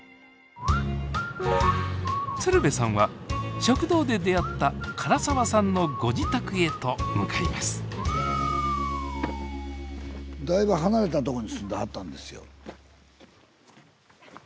鶴瓶さんは食堂で出会った唐澤さんのご自宅へと向かいますスタジオだいぶ離れたとこに住んではったんですよ。